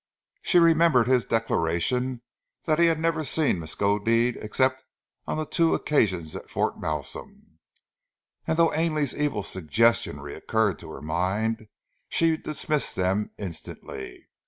She remembered his declaration that he had never seen Miskodeed except on the two occasions at Fort Malsun, and though Ainley's evil suggestions recurred to her mind, she dismissed them instantly.